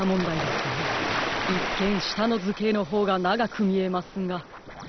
いっけんしたのずけいのほうがながくみえますが。